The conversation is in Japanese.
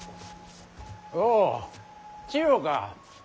おう千代か。